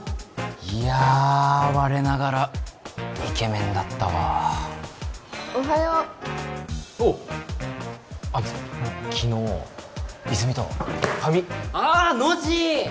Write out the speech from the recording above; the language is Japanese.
いや我ながらイケメンだったわおはようおうあのさ昨日泉とファミああノジ！